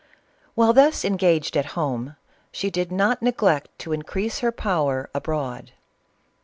While thus engaged at home, she did not neglect to increase her power abroad.